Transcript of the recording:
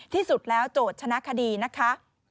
ที่สุดแล้วโจทย์ชนะคดีนะคะ